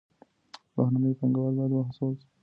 بهرني پانګوال بايد وهڅول سي.